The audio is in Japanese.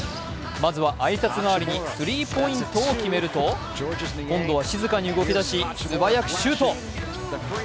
まずは挨拶代わりにスリーポイントを決めると今度は静かに動き出し、素早くシュート。